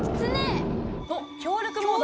おっ協力モード。